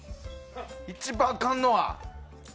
一番あかんのは。